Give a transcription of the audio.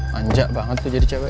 manja banget tuh jadi cewek